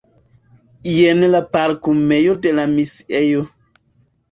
Jen la parkumejo de la misiejo.